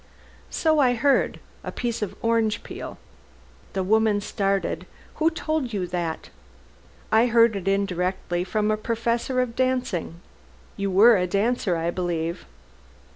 "So I heard. A piece of orange peel." The woman started. "Who told you that?" "I heard it indirectly from a professor of dancing. You were a dancer, I believe?"